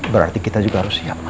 berarti kita juga harus siap